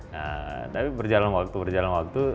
nah tapi berjalan waktu berjalan waktu